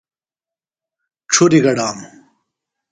ڇُھریۡ گڈانوۡ۔